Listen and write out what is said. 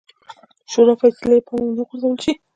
شورا فیصلې له پامه ونه غورځول شي.